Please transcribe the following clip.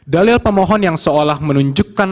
dalil pemohon yang seolah menunjukkan